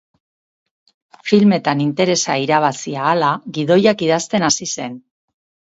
Filmetan interesa irabazi ahala, gidoiak idazten hasi zen.